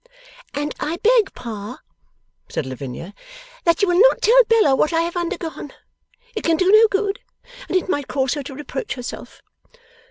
'And I beg, Pa,' said Lavinia, 'that you will not tell Bella what I have undergone. It can do no good, and it might cause her to reproach herself.